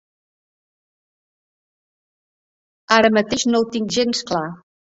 Ara mateix no ho tinc gens clar.